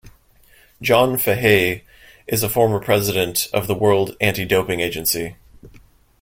John Fahey is a former President of the World Anti-Doping Agency.